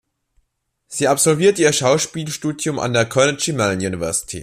Sie absolvierte ihr Schauspielstudium an der Carnegie Mellon University.